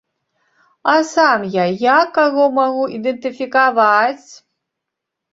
А сам я як каго магу ідэнтыфікаваць?